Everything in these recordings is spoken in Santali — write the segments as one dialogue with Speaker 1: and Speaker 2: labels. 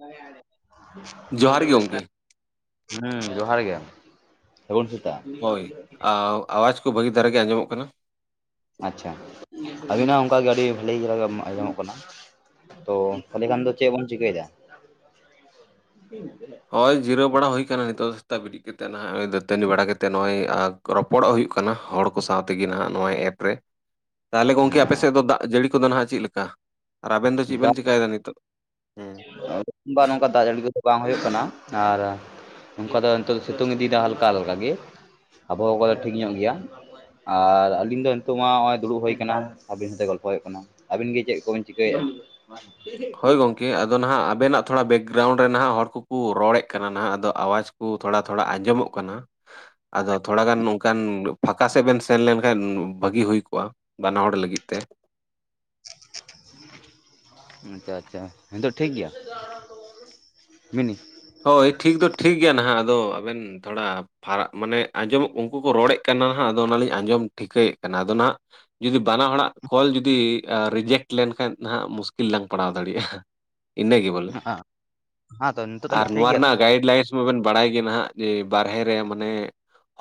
Speaker 1: [inaudible]
Speaker 2: ᱡᱚᱦᱟᱨ ᱜᱮ
Speaker 1: ᱵᱷᱳᱭᱨᱳᱵ
Speaker 2: ᱜᱚᱝᱠᱮ
Speaker 1: ᱥᱛᱷᱟᱱ ᱦᱩᱸ ᱡᱚᱦᱟᱨ ᱜᱮ ᱥᱟᱹᱜᱩᱱ ᱥᱮᱛᱟᱜ
Speaker 2: ᱦᱳᱭ ᱟᱣ ᱟᱣᱟᱡᱽ ᱠᱚ ᱵᱷᱟᱹᱜᱤ ᱫᱷᱟᱨᱟ ᱜᱮ ᱟᱸᱡᱚᱢᱚᱜ ᱠᱟᱱᱟ
Speaker 1: ᱟᱪᱪᱷᱟ ᱟᱵᱤᱱᱟᱜ ᱚᱝᱠᱟᱜᱮ ᱟᱹᱰᱤ ᱵᱷᱟᱹᱞᱤ [unintelligible] ᱟᱸᱡᱚᱢᱚᱜ ᱠᱟᱱᱟ ᱛᱚ ᱛᱟᱦᱚᱞᱮ ᱠᱷᱟᱱ ᱫᱚ ᱪᱮᱫ ᱵᱚᱱ ᱪᱤᱠᱟᱹᱭᱫᱟ
Speaker 2: ᱦᱳᱭ ᱡᱤᱨᱟᱹᱣ ᱵᱟᱲᱟ ᱦᱩᱭ ᱠᱟᱱᱟ ᱱᱤᱛᱚᱜ ᱫᱚ ᱥᱮᱛᱟᱜ ᱵᱤᱨᱤᱫ ᱠᱟᱛᱮᱫ ᱱᱟᱦᱟᱜ ᱱᱚ ᱫᱟᱹᱛᱟᱹᱱᱤ ᱵᱟᱲᱟ ᱠᱟᱛᱮᱫ ᱱᱚᱜᱼᱚᱭ ᱟ ᱨᱚᱯᱚᱲᱚᱜ ᱦᱩᱭᱩᱜ ᱠᱟᱱᱟ ᱦᱚᱲ ᱠᱚ ᱥᱟᱶ ᱛᱮᱜᱮ ᱱᱟᱦᱟᱜ ᱱᱚᱜᱚᱭ ᱮᱯ ᱨᱮ
Speaker 1: [inaudible]
Speaker 2: ᱛᱟᱦᱚᱞᱮ ᱜᱚᱝᱠᱮ ᱟᱯᱮ ᱥᱮᱫ ᱫᱚ ᱫᱟᱜ ᱡᱟᱹᱲᱤ ᱠᱚᱫᱚ ᱱᱟᱦᱟᱜ ᱪᱮᱫ ᱞᱮᱠᱟ ᱟᱨ ᱟᱵᱮᱱ ᱫᱚ ᱪᱮᱫ ᱵᱮᱱ
Speaker 1: ᱫᱟᱜ
Speaker 2: ᱪᱮᱠᱟᱭ ᱫᱟ ᱱᱤᱛᱚᱜ ᱦᱩᱸ
Speaker 1: ᱵᱟ ᱱᱚᱝᱠᱟ ᱫᱟᱜ ᱡᱟᱹᱲᱤ ᱠᱚᱫᱚ ᱵᱟᱝ ᱦᱩᱭᱩᱜ ᱠᱟᱱᱟ ᱟᱨ ᱱᱚᱝᱠᱟ ᱫᱚ ᱱᱤᱛᱚᱜ ᱫᱚ ᱥᱤᱛᱩᱝ ᱤᱫᱤᱭᱮᱫᱟ ᱦᱟᱞᱠᱟ ᱦᱟᱞᱠᱟ ᱜᱮ ᱟᱵᱚᱦᱟᱣᱟ ᱠᱚ ᱫᱚ ᱴᱷᱤᱠ ᱧᱚᱜ ᱜᱮᱭᱟ ᱟᱨ ᱟᱞᱤᱧ ᱫᱚ ᱱᱤᱛᱳᱜ ᱢᱟ ᱦᱚᱸᱜᱼᱚᱭ ᱫᱩᱲᱩᱵ ᱦᱩᱭ ᱟᱵᱤᱱ ᱥᱟᱶᱛᱮ ᱜᱚᱞᱯᱚ ᱦᱩᱭᱩᱜ ᱠᱟᱱᱟ ᱟᱹᱵᱤᱱ ᱜᱮ ᱪᱮᱫ ᱠᱚᱵᱤᱱ ᱪᱤᱠᱟᱹᱭᱮᱜᱼᱟ
Speaker 2: ᱠᱮ ᱟᱫᱚ ᱱᱟᱦᱟᱜ ᱟᱵᱮᱱᱟᱜ ᱛᱷᱚᱲᱟ ᱵᱮᱠᱜᱨᱟᱣᱩᱱᱰ ᱨᱮ ᱱᱟᱦᱟᱜ ᱦᱚᱲ ᱠᱚᱠᱚ ᱨᱚᱲᱮᱫ ᱠᱟᱱᱟ ᱱᱟᱦᱟᱜ ᱟᱫᱚ ᱟᱣᱟᱡᱽ ᱠᱚ ᱛᱷᱚᱲᱟ ᱛᱷᱚᱲᱟ ᱟᱸᱡᱚᱢᱚᱜ ᱠᱟᱱᱟ ᱟᱫᱚ ᱛᱷᱚᱲᱟ ᱜᱟᱱ ᱚᱱᱠᱟᱱ ᱯᱷᱟᱸᱠᱟ ᱥᱮᱫ ᱵᱮᱱ ᱥᱮᱱ ᱞᱮᱱᱠᱷᱟᱱ ᱵᱷᱟᱹᱜᱤ ᱦᱩᱭ ᱠᱚᱜᱼᱟ ᱵᱟᱱᱟ ᱦᱚᱲ ᱞᱟᱹᱜᱤᱫ ᱛᱮ
Speaker 1: ᱟᱪᱪᱷᱟ ᱟᱪᱪᱷᱟ ᱦᱤᱛᱳᱜ ᱴᱷᱤᱠ ᱜᱮᱭᱟ [unintelligible]
Speaker 2: ᱦᱳᱭ ᱴᱷᱤᱠ ᱫᱚ ᱴᱷᱤᱠ ᱜᱮᱭᱟ ᱱᱟᱦᱟᱜ ᱟᱫᱚ ᱟᱵᱮᱱ ᱛᱷᱚᱲᱟ ᱯᱷᱟᱨᱟᱜ ᱢᱟᱱᱮ ᱟᱸᱡᱚᱢᱚᱜ ᱩᱱᱠᱩ ᱠᱚ ᱨᱚᱲᱮᱫ ᱠᱟᱱᱟ ᱦᱟᱸᱜ ᱟᱫᱚ ᱚᱱᱟᱞᱤᱧ ᱟᱸᱡᱚᱢ ᱴᱷᱤᱠᱟᱹᱭᱮᱜ ᱠᱟᱱᱟ ᱟᱫᱚ ᱱᱟᱜ ᱡᱩᱫᱤ ᱵᱟᱱᱟ ᱦᱚᱲᱟᱜ ᱠᱚᱞ ᱡᱩᱫᱤ ᱟᱻ ᱨᱤᱡᱮᱠᱴ ᱞᱮᱱᱠᱷᱟᱱ ᱱᱟᱦᱜ ᱢᱩᱥᱠᱤᱞ ᱞᱟᱝ ᱯᱟᱲᱟᱣ ᱫᱟᱲᱮᱭᱟᱜᱼᱟ [unintelligible] ᱤᱱᱟᱹ ᱜᱮ ᱵᱚᱞᱮ
Speaker 1: ᱦᱮᱸ ᱛᱚ ᱱᱤᱛᱚᱜ ᱛᱟᱦᱚᱞᱮ
Speaker 2: ᱟᱨ
Speaker 1: ᱴᱷᱤᱠ
Speaker 2: ᱱᱚᱣᱟ
Speaker 1: ᱜᱮᱭᱟ ᱛᱚ
Speaker 2: ᱨᱮᱱᱟᱜ ᱜᱟᱭᱤᱰ ᱞᱟᱭᱤᱱᱥ ᱢᱟᱵᱮᱱ ᱵᱟᱲᱟᱭ ᱜᱮ ᱱᱚᱦᱟᱜ ᱡᱮ ᱵᱟᱨᱦᱮ ᱨᱮ ᱢᱟᱱᱮ